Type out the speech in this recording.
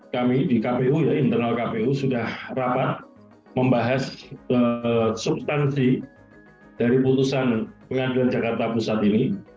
kami di kpu ya internal kpu sudah rapat membahas substansi dari putusan pengadilan jakarta pusat ini